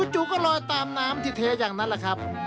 จู่ก็ลอยตามน้ำที่เทอย่างนั้นแหละครับ